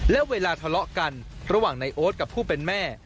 และเวลาทะเลาะกันระหว่างในโอ๊ตกับผู้เป็นแม่